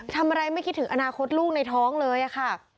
ทำอะไรไม่คิดถึงอนาคตลูกในท้องเลยค่ะ